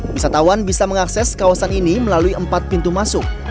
wisatawan bisa mengakses kawasan ini melalui empat pintu masuk